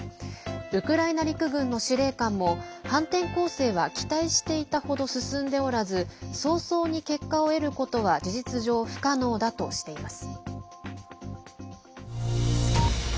ウクライナ陸軍の司令官も反転攻勢は期待していた程進んでおらず早々に結果を得ることは事実上不可能だとしています。